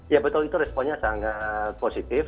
ya betul itu responnya sangat positif